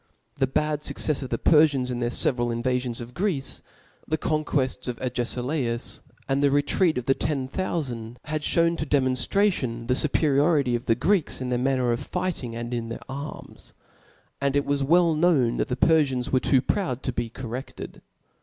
The bad fuccefs of the Perfians in their feveral invafions of Greece, the conquefts of Agefilaus, and the retreat of the ten thoufand, had Ihewa to demonftration the fuperiority of the Greeks in their manner of fighting and in their arms ; and it was well known that the Perfians were too proud to be corredbed.